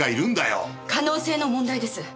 可能性の問題です。